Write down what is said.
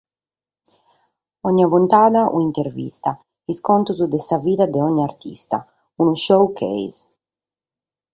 Onni puntada un'intervista, is contos de sa vida de onni artista, unu showcase.